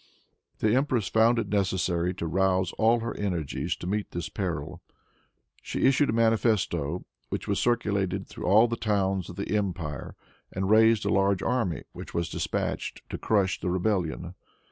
The empress found it necessary to rouse all her energies to meet this peril. She issued a manifesto, which was circulated through all the towns of the empire, and raised a large army, which was dispatched to crush the rebellion.